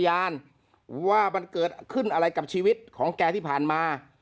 พยานว่ามันเกิดขึ้นอะไรกับชีวิตของแกที่ผ่านมา